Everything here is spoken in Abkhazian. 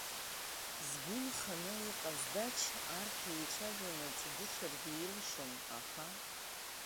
Згәы нханы иҟаз Дач, арҭ еицәажәонаҵ дыцәаргьы илшон, аха…